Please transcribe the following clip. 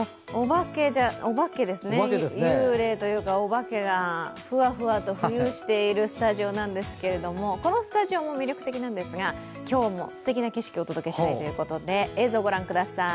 お化けですね、ゆうれいというかお化けがふわふわと浮遊しているスタジオですがこのスタジオも魅力的なんですが今日もすてきな景色をお届けしたいということで映像御覧ください。